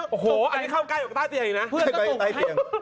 อันนี้เข้าใกล้ออกกับใต้เตียงอีกนะ